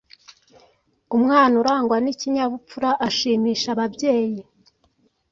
Umwana urangwa n’ikinyabupfura ashimisha ababyeyi.